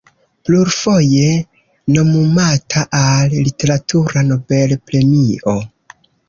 Plurfoje nomumata al literatura Nobel-premio.